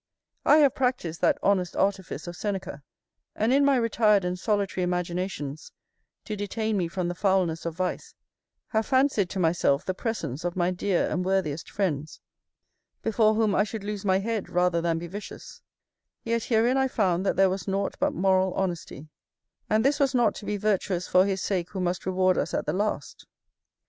I have practised that honest artifice of Seneca, and, in my retired and solitary imaginations to detain me from the foulness of vice, have fancied to myself the presence of my dear and worthiest friends, before whom I should lose my head rather than be vicious; yet herein I found that there was nought but moral honesty; and this was not to be virtuous for his sake who must reward us at the last.